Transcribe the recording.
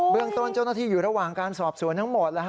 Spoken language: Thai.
เรื่องต้นเจ้าหน้าที่อยู่ระหว่างการสอบสวนทั้งหมด